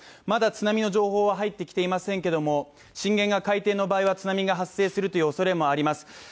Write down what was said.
まだ津波の情報は入ってきていませんけれども震源が海底の場合は、津波が発生するおそれもあります。